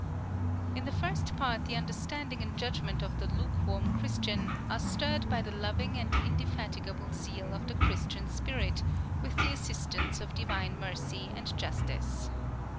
In the first part the understanding and judgment of the lukewarm Christian are stirred by the loving and indefatigable zeal of the Christian Spirit, with the assistance of Divine Mercy and Justice.